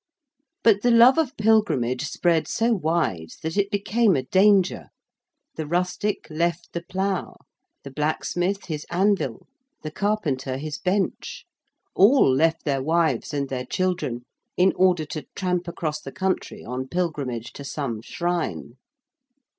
But the love of pilgrimage spread so wide that it became a danger. The rustic left the plough: the blacksmith his anvil: the carpenter his bench: all left their wives and their children in order to tramp across the country on pilgrimage to some shrine.